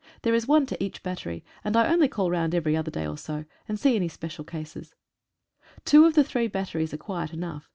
There is one to each battery, and I only call round every other day or so, and see any special cases. Two of the three batteries are quiet enough.